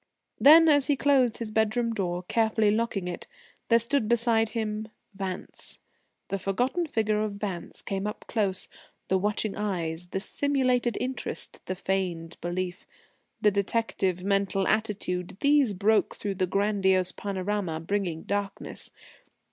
Then, as he closed his bedroom door, carefully locking it, there stood beside him Vance. The forgotten figure of Vance came up close the watching eyes, the simulated interest, the feigned belief, the detective mental attitude, these broke through the grandiose panorama, bringing darkness.